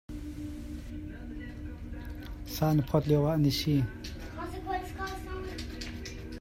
Sa an phawt lioah an i si.